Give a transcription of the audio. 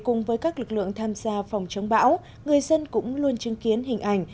cùng với các lực lượng tham gia phòng chống bão người dân cũng luôn chứng kiến hình ảnh